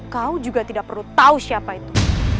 kau juga tidak perlu tahu siapa itu